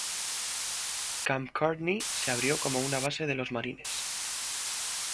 Camp Courtney se abrió como una base de los Marines.